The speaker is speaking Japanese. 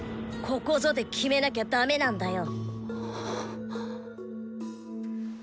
「ここぞ」で決めなきゃだめなんだよ。